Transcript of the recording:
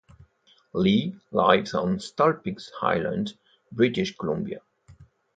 Lee lives on Saltspring Island, British Columbia.